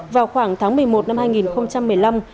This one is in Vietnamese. vào khoảng tháng một mươi một năm hai nghìn một mươi năm